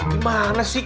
di mana sih